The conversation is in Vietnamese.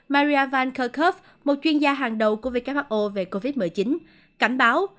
maria van kerkhove một chuyên gia hàng đầu của who về covid một mươi chín cảnh báo